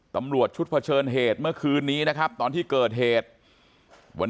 ตำรวจชุดเผชิญเหตุเมื่อคืนนี้นะครับตอนที่เกิดเหตุวัน